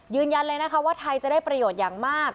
ยืนยันเลยนะคะว่าไทยจะได้ประโยชน์อย่างมาก